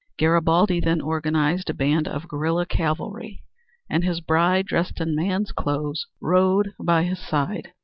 Garibaldi then organized a band of guerilla cavalry and his bride, dressed in man's clothes, rode by his side.